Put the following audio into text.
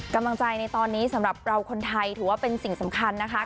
กำลังใจในตอนนี้สำหรับเราคนไทยถือว่าเป็นสิ่งสำคัญนะคะ